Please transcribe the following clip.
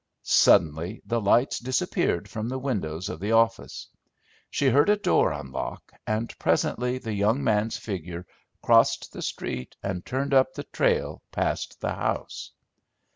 Suddenly the lights disappeared from the windows of the office. She heard a door unlock, and presently the young man's figure crossed the street and turned up the trail past the house.